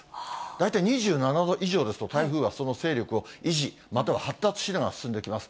大体２７度以上ですと、台風は、その勢力を維持、または発達しながら進んできます。